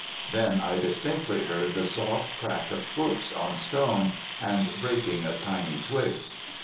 Then I distinctly heard the soft crack of hoofs on stone and breaking of tiny twigs.